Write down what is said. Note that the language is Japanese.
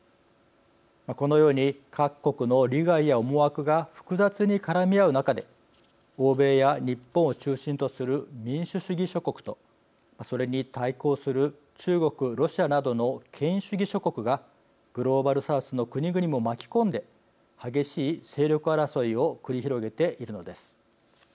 このように各国の利害や思惑が複雑に絡み合う中で欧米や日本を中心とする民主主義諸国とそれに対抗する中国ロシアなどの権威主義諸国がグローバルサウスの国々も巻き込んで激しい勢力争いを繰り広げているのです。